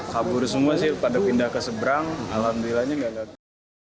kabur semua sih pada pindah ke seberang alhamdulillahnya nggak datang